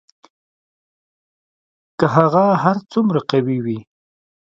که هغه هر څومره قوي وي